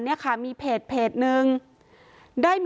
น้ำน้ำออกถูกฟองหน่อย